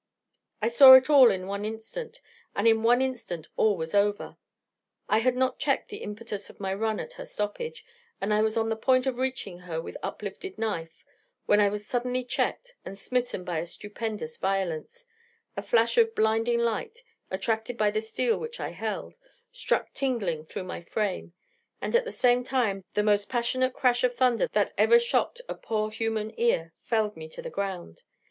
I saw it all in one instant, and in one instant all was over. I had not checked the impetus of my run at her stoppage, and I was on the point of reaching her with uplifted knife, when I was suddenly checked and smitten by a stupendous violence: a flash of blinding light, attracted by the steel which I held, struck tingling through my frame, and at the same time the most passionate crash of thunder that ever shocked a poor human ear felled me to the ground.